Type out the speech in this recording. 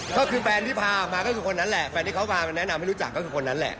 ก็คือแฟนที่พามาก็คือคนนั้นแหละแฟนที่เขาพามาแนะนำให้รู้จักก็คือคนนั้นแหละ